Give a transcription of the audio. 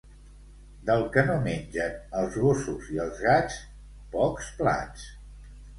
Del que no mengen els gossos i els gats, pocs plats.